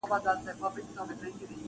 ساقي در مبارک دي میکدې وي ټولي تاته,